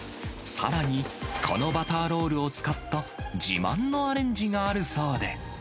さらに、このバターロールを使った自慢のアレンジがあるそうで。